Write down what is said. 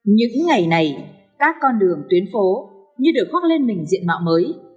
những ngày này các con đường tuyến phố như được khoác lên mình diện mạo mới